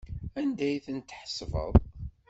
Anda ay tent-tḥesbeḍ?